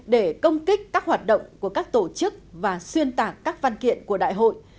để công kích các hoạt động của các tổ chức và xuyên tạc các văn kiện của đại hội